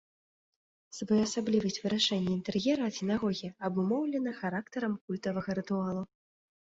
Своеасаблівасць вырашэння інтэр'ера сінагогі абумоўлена характарам культавага рытуалу.